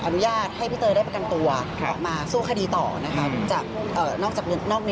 อนุญาตให้พี่เตยได้ประกันตัวออกมาสู้คดีต่อนะคะจาก